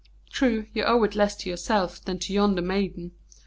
True, you owe it less to yourself than to yonder maiden.